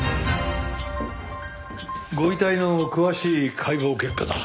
ご遺体の詳しい解剖結果だ。